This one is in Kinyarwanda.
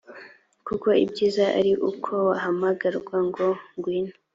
kuko ibyiza ari uko wahamagarwa ngo ngwino